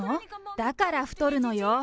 だから太るのよ。